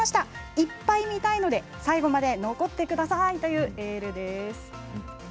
いっぱい見たいので最後まで残ってくださいというエールです。